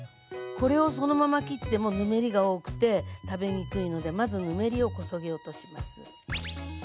これをそのまま切ってもぬめりが多くて食べにくいのでまずぬめりをこそげ落とします。